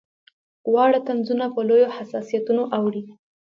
واړه طنزونه په لویو حساسیتونو اوړي.